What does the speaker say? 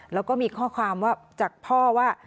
แล้วก็มีข้อความว่าจากพ่อว่า